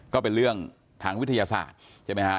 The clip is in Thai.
ก็เป็นเรื่องทางวิทยาศาสตร์ใช่ไหมฮะ